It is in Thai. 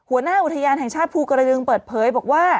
หัวหน้าอุทยานแห่งชาติภูกระดึงเปิดเผยบอกว่า